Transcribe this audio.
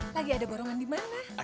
lagi ada borongan di mana